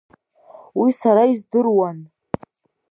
Уи сара издыруан.